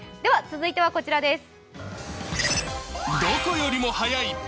続いてはこちらです。